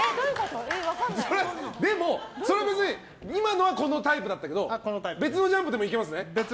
でもそれは別に今はこのタイプだったけど別のジャンプでもいけますね？